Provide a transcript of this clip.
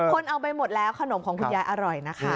คนเอาไปหมดแล้วขนมของคุณยายอร่อยนะคะ